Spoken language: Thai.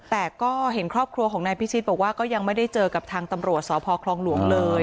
แต่ก็เห็นครอบครัวของนายพิชิตบอกว่าก็ยังไม่ได้เจอกับทางตำรวจสพคลองหลวงเลย